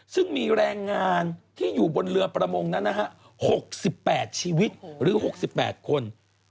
ซึ่งมีแรงงานที่อยู่บนเรือประมงนั้นนะฮะ๖๘ชีวิตหรือ๖๘คน